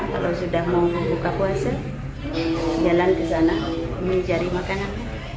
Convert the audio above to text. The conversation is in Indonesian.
kalau sudah mau buka puasa jalan ke sana mencari makanan